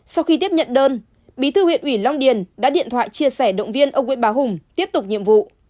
sau khi tiếp nhận đơn bí thư huyện ủy long điền đã điện thoại chia sẻ động viên ông nguyễn bà hùng tiếp tục nhiệm vụ